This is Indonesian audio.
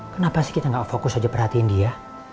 kenapa sih kita gak fokus aja perhatiin dia